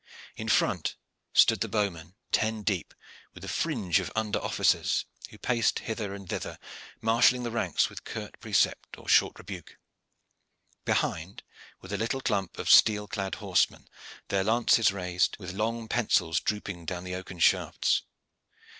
In front stood the bow men, ten deep, with a fringe of under officers, who paced hither and thither marshalling the ranks with curt precept or short rebuke. Behind were the little clump of steel clad horsemen, their lances raised, with long pensils drooping down the oaken shafts.